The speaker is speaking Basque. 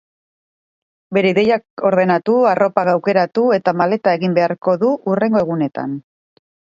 Bere ideiak ordenatu, arropak aukeratu eta maleta egin beharko du hurrengo egunetan.